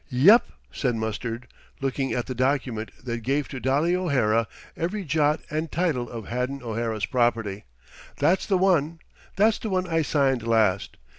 "Yep," said Mustard, looking at the document that gave to Dolly O'Hara every jot and tittle of Haddon O'Hara's property. "That's the one. That's the one I signed last.